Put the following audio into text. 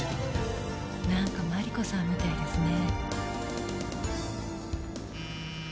なんかマリコさんみたいですね。